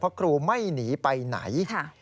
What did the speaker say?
เพราะครูไม่หนีไปไหน